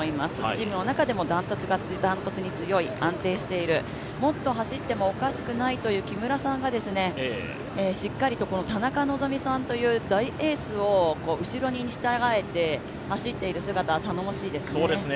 チームの中でも断トツに強い、安定している、もっと走ってもおかしくないという木村さんが、しっかりと田中希実さんという大エースを後ろに従えて走っている姿は頼もしいですね。